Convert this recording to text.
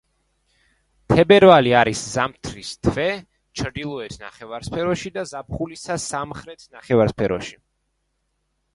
თებერვალი არის ზამთრის თვე ჩრდილოეთ ნახევარსფეროში და ზაფხულისა სამხრეთ ნახევარსფეროში.